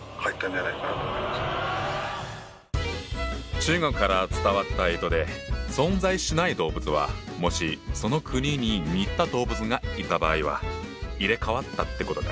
中国から伝わった干支で存在しない動物はもしその国に似た動物がいた場合は入れ代わったってことか。